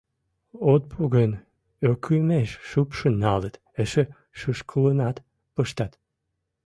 От пу гын, ӧкымеш шупшын налыт, эше шӱшкылынат пыштат.